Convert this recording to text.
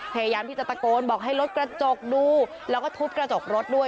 พยายามที่จะตะโกนบอกให้รถกระจกดูแล้วก็ทุบกระจกรถด้วย